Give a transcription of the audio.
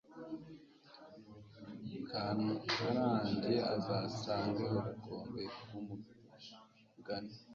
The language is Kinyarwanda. I kantarange azasange ubukombe bw'umugani